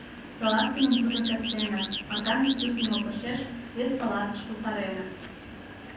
Салазкиным тудо кастенак, Арканов кӱштымӧ почеш, вес палатыш кусареныт.